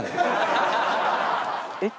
えっ？